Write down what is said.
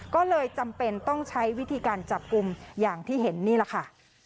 ก็เลยจำเป็นต้องใช้วิธีการจับกลุ่มอย่างที่เห็นนี่แหละค่ะ